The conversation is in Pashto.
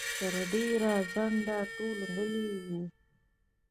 تر ډېره ځنډه ټول غلي وو.